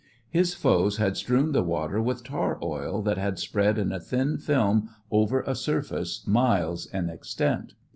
His foes had strewn the water with tar oil that had spread in a thin film over a surface miles in extent.